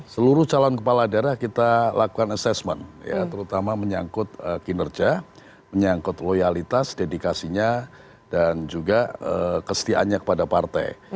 seluruh calon kepala daerah kita lakukan assessment terutama menyangkut kinerja menyangkut loyalitas dedikasinya dan juga kesetiaannya kepada partai